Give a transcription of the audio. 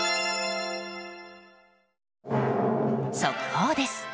速報です。